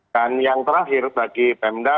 dan yang terakhir bagi bemda